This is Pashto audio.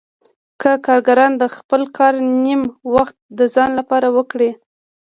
که کارګران د خپل کار نیم وخت د ځان لپاره وکړي